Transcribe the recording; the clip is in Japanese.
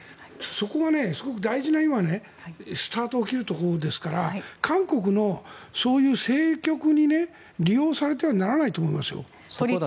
そこはすごく大事なスタートを切るところですから韓国のそういう政局に利用されてはならないと思います。